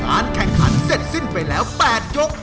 แข่งขันเสร็จสิ้นไปแล้ว๘ยก